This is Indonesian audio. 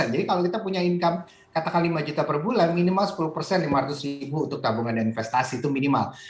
jadi kalau kita punya income katakan lima juta perbulan minimal sepuluh lima ratus ribu untuk tabungan dan investasi itu minimal